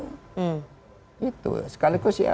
jadi kita harus menangani ini kita yakin pak jokowi itu hebat